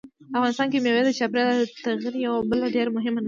افغانستان کې مېوې د چاپېریال د تغیر یوه بله ډېره مهمه نښه ده.